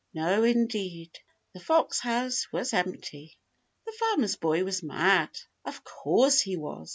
No, indeed. The Fox House was empty. The Farmer's Boy was mad. Of course he was.